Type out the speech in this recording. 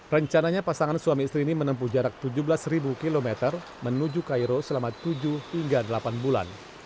rencananya pasangan suami istri ini menempuh jarak tujuh belas km menuju cairo selama tujuh hingga delapan bulan